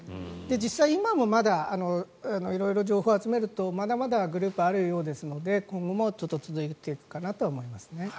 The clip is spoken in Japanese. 実際、今もまだ色々情報を集めるとまだまだグループあるようですので今後もちょっと続いていくかなと思いますね。